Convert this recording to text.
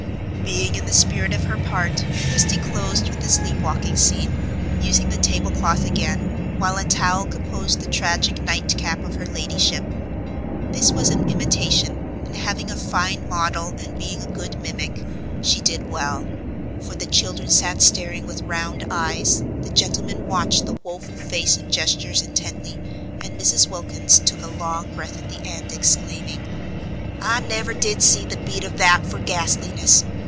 Being in the spirit of her part, Christie closed with the sleep walking scene, using the table cloth again, while a towel composed the tragic nightcap of her ladyship. This was an imitation, and having a fine model and being a good mimic, she did well; for the children sat staring with round eyes, the gentlemen watched the woful face and gestures intently, and Mrs. Wilkins took a long breath at the end, exclaiming: "I never did see the beat of that for gastliness!